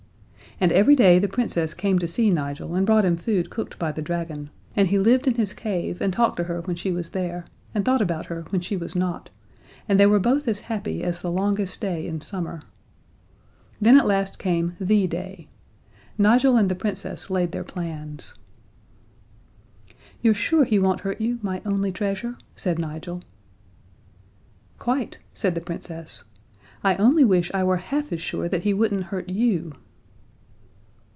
And every day the Princess came to see Nigel and brought him food cooked by the dragon, and he lived in his cave, and talked to her when she was there, and thought about her when she was not, and they were both as happy as the longest day in summer. Then at last came The Day. Nigel and the Princess laid their plans. "You're sure he won't hurt you, my only treasure?" said Nigel. "Quite," said the Princess. "I only wish I were half as sure that he wouldn't hurt you."